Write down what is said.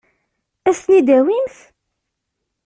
Ad as-ten-id-tawimt?